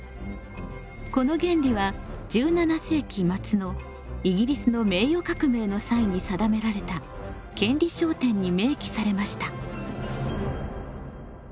この原理は１７世紀末のイギリスの名誉革命の際に定められた「権利章典」に明記されました。